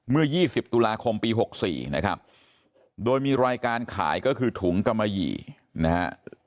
เมื่อ๒๐ตุลาคมปี๖๔นะครับโดยมีรายการขายก็คือถุงกะมะหยี่นะฮะ